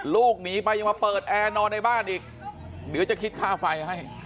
ลูกหนีไปยังมาเปิดแอร์นอนในบ้านอีกเดี๋ยวจะคิดค่าไฟให้